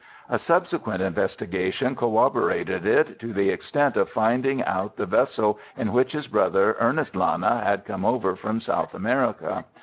A subsequent investigation corroborated it to the extent of finding out the vessel in which his brother Ernest Lana had come over from South America.